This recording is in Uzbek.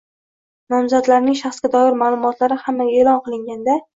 nomzodlarning shaxsga doir ma’lumotlari hammaga e’lon qilinganda;